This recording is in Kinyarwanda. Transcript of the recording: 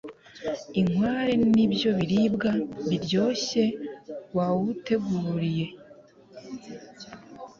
inkware nibyo biribwa biryoshye wawuteguriye